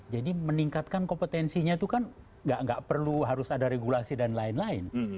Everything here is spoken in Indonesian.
jadi meningkatkan kompetensinya itu kan tidak perlu harus ada regulasi dan lain lain